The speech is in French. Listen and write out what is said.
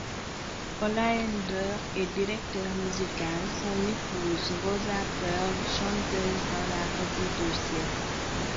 Hollaender est directeur musical, son épouse Rosa Perl chanteuse dans la revue du cirque.